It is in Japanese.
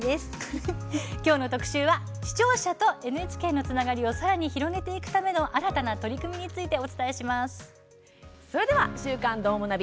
きょうの特集は視聴者とＮＨＫのつながりをさらに広げていくための新たな取り組みについてでは、「週刊どーもナビ」